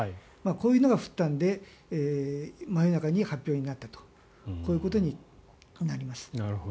こういうのが降ったので真夜中に発表になったとそういうことになりました。